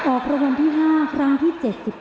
ออกรางวัลที่๕ครั้งที่๗๘